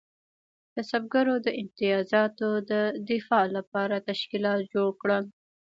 کسبګرو د امتیازاتو د دفاع لپاره تشکیلات جوړ کړل.